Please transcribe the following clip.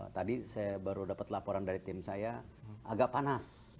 tadi saya baru dapat laporan dari tim saya agak panas